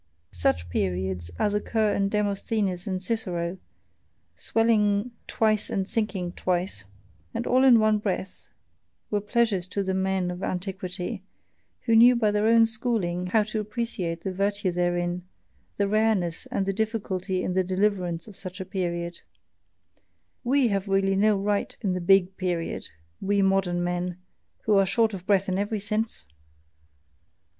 Such periods as occur in Demosthenes and Cicero, swelling twice and sinking twice, and all in one breath, were pleasures to the men of ANTIQUITY, who knew by their own schooling how to appreciate the virtue therein, the rareness and the difficulty in the deliverance of such a period; WE have really no right to the BIG period, we modern men, who are short of breath in every sense!